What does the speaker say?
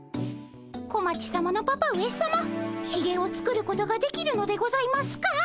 小町さまのパパ上さまひげを作ることができるのでございますか？